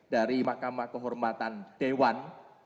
dari mahkamah kehormatan dewan